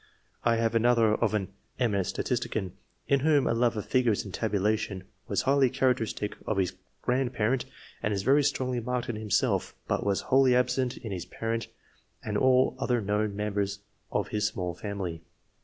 I have another of an eminent statistician, in whom a love of figures and tabulation was highly characteristic of his grand parent and is very strongly marked in himself, but was wholly absent in his parent and all other known mem bers of his small family.